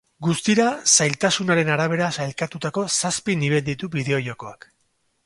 Guztira zailtasunaren arabera sailkatutako zazpi nibel ditu bideo-jokoak.